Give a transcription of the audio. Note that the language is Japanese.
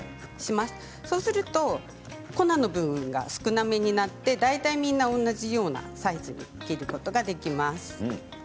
そうすると粉の部分が少なめになって大体みんな、同じようなサイズに切ることができます。